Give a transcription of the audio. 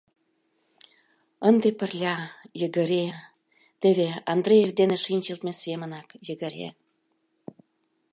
Ынде пырля, йыгыре, теве Андреев дене шинчылтме семынак йыгыре...